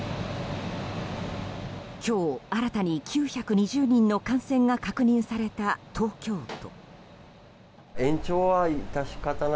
今日、新たに９２０人の感染が確認された東京都。